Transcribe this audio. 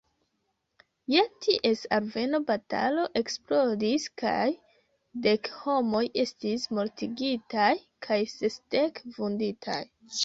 Je ties alveno batalo eksplodis kaj dek homoj estis mortigitaj kaj sesdek vunditaj.